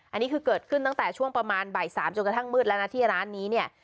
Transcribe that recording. อันนี้คือเกิดขึ้นตั้งแต่ช่วงประมาณบ่าย๓จนกระทั่งมืดแล้วนะที่ร้านนี้เนี่ย